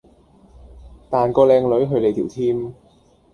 彈個靚女去你條 Team